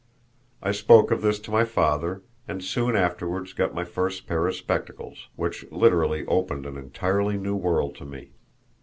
I spoke of this to my father, and soon afterwards got my first pair of spectacles, which literally opened an entirely new world to me.